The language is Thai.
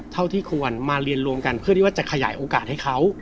เท่าที่ควรมาเรียนรวมกันเพื่อที่ว่าจะขยายโอกาสให้เขา